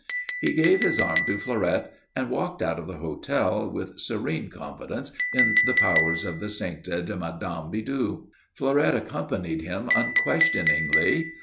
He gave his arm to Fleurette, and walked out of the hotel, with serene confidence in the powers of the sainted Mme. Bidoux. Fleurette accompanied him unquestioningly.